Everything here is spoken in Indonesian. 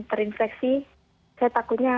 terinfeksi saya takutnya